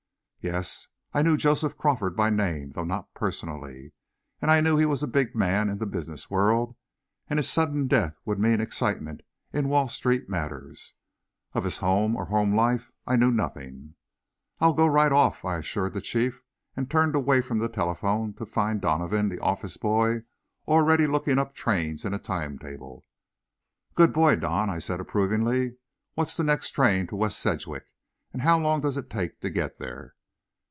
Yes; I knew Joseph Crawford by name, though not personally, and I knew he was a big man in the business world, and his sudden death would mean excitement in Wall Street matters. Of his home, or home life, I knew nothing. "I'll go right off," I assured the Chief, and turned away from the telephone to find Donovan, the office boy, already looking up trains in a timetable. "Good boy, Don," said I approvingly; "what's the next train to West Sedgwick, and how long does it take to get there?"